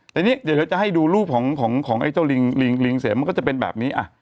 แต่นี้เดี๋ยวเราจะให้ดูรูปของของของไอ้เจ้าลิงลิงลิงเสมมันก็จะเป็นแบบนี้อ่ะ